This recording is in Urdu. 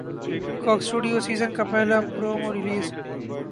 کوک اسٹوڈیو سیزن کا پہلا پرومو ریلیز